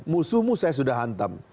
musuhmu saya sudah hantam